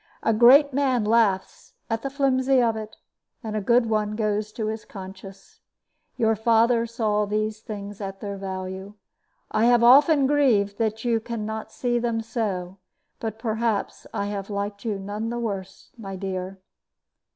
A great man laughs at the flimsy of it, and a good one goes to his conscience. Your father saw these things at their value. I have often grieved that you can not see them so; but perhaps I have liked you none the worse, my dear.